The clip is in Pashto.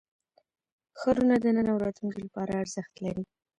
ښارونه د نن او راتلونکي لپاره ارزښت لري.